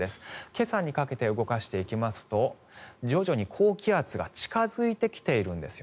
今朝にかけて動かしていきますと徐々に高気圧が近付いてきているんです。